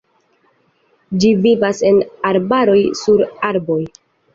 Ĝi vivas en arbaroj, sur arboj.